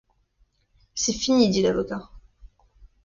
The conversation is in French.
C’est fini, dit l’avocat.